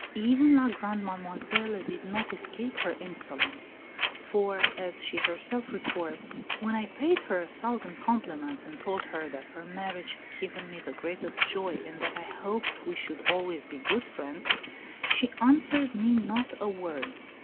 Even La Grande Mademoiselle did not escape her insolence; for, as she herself records, "when I paid her a thousand compliments and told her that her marriage had given me the greatest joy and that I hoped we should always be good friends, she answered me not a word."